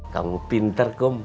kamu pinter kum